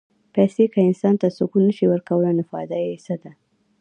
پېسې که انسان ته سکون نه شي ورکولی، نو فایده یې څه ده؟